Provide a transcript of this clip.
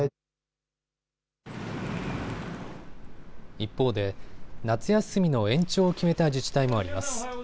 一方で夏休みの延長を決めた自治体もあります。